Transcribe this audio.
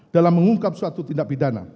dalam mengungkap suatu tindak pidana